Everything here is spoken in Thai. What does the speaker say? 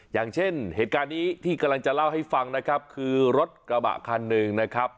อย่างเช่นเหตุการณ์นี้ที่กำลังจะเล่าให้ฟังนะครับคือรถกระบะคันหนึ่งนะครับ